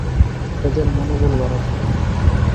তাদের মনোবল বাড়াতে।